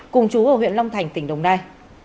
cùng chú ở huyện long thành tỉnh đồng nai